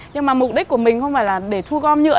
nhưng mà mục đích của mình không phải là để thu gom nhựa